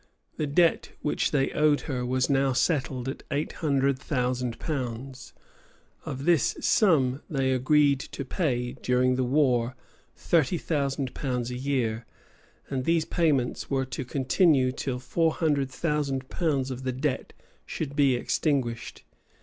The debt which they owed her was now settled at eight hundred thousand pounds: of this sum they agreed to pay, during the war, thirty thousand pounds a year; and these payments were to continue till four hundred thousand pounds of the debt should be extinguished.